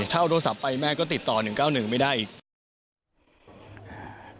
ถ้าเอาโทรศัพท์ไปแม่ก็ติดต่อ๑๙๑ไม่ได้อีก